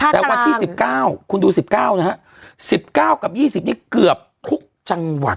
แต่วันที่สิบเก้าคุณดูสิบเก้านะฮะสิบเก้ากับยี่สิบนี่เกือบทุกจังหวัด